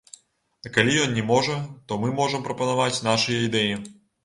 А калі ён не можа, то мы можам прапанаваць нашыя ідэі.